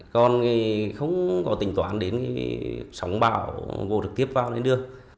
còn không có tình toán đến sóng bão vô thực tiếp vào lên đường